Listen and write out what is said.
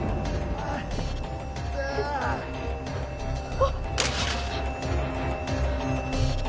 あっ。